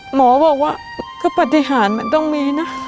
หมอบอกว่าก็ปฏิหารมันต้องมีนะ